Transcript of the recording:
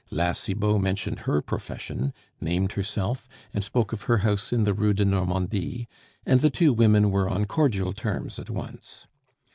La Cibot mentioned her profession, named herself, and spoke of her house in the Rue de Normandie, and the two women were on cordial terms at once.